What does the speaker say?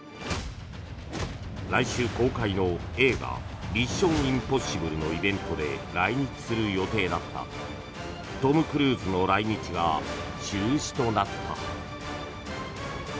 来週公開の映画「ミッション：インポッシブル」のイベントで来日する予定だったトム・クルーズの来日が中止となった。